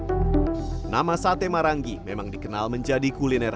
tempatnya sate marangi khas purwakarta berasal nama sate marangi memang dikenal menjadi kuliner